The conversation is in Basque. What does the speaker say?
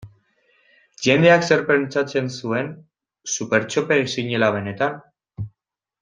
Jendeak zer pentsatzen zuen, Supertxope zinela benetan?